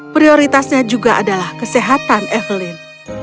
prioritasnya juga adalah kesehatan evelyn